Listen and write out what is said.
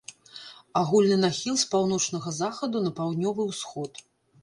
Агульны нахіл з паўночнага захаду на паўднёвы ўсход.